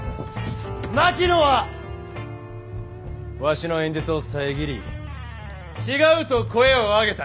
槙野はわしの演説を遮り「違う」と声を上げた。